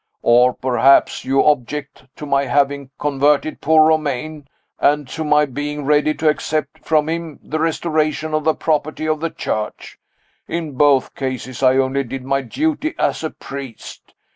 Or, perhaps, you object to my having converted poor Romayne, and to my being ready to accept from him the restoration of the property of the Church. In both cases I only did my duty as a priest.